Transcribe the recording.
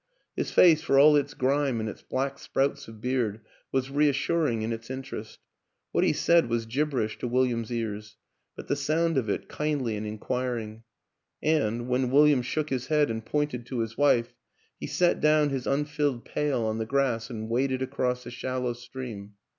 His face, for all its grime and its black sprouts of beard, was reassuring in its interest; what he said was gib berish to William's ears, but the sound of it kindly and inquiring, and, when William shook his head and pointed to his wife, he set down his unfilled pail on the grass and waded across the shallow stream.